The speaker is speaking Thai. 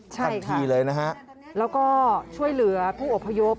ทันทีเลยนะครับใช่ค่ะแล้วก็ช่วยเหลือผู้อบพยพ